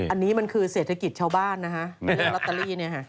อันนี้มันคือเศรษฐกิจชาวบ้านนะฮะเรื่องลอตเตอรี่เนี่ยค่ะ